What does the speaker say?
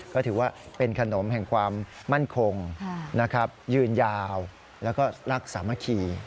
ก็ถือว่าเป็นขนมแห่งความมั่นคงนะครับยืนยาวแล้วก็รักสามัคคี